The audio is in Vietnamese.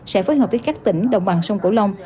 sẽ phối hợp với các tỉnh đồng bằng sông cổ long